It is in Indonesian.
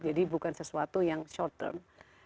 jadi bukan sesuatu yang short term